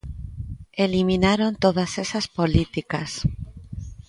Eliminaron todas esas políticas.